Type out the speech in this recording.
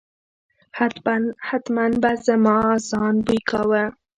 حتمآ به زما ځان بوی کاوه.